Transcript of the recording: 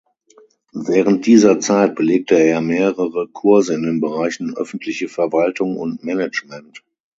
Während dieser Zeit belegte er mehrere Kurse in den Bereichen öffentliche Verwaltung und Management.